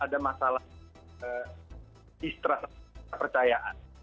ada masalah di percayaan